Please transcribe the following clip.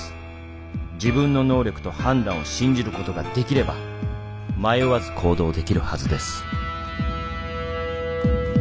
自分の能力と判断を信じることができれば迷わず行動できるはずです」。